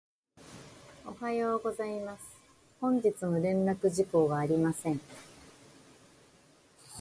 おはようございます。本日の連絡事項はありません。